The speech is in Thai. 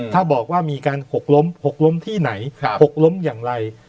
ถ้าบอกว่ามีการหกล้มหกล้มที่ไหนหกล้มอย่างไร